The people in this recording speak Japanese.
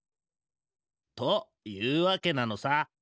というわけなのさ。